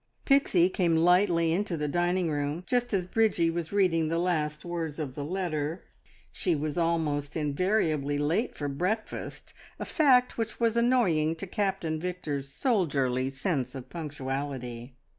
Pixie came lightly into the dining room, just as Bridgie was reading the last words of the letter. She was almost invariably late for breakfast, a fact which was annoying to Captain Victor's soldierly sense of punctuality.